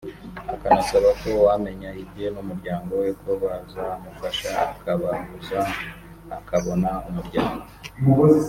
akanasaba ko uwamenya ibye n’umuryango we ko yazamufasha akabahuza akabona umuryango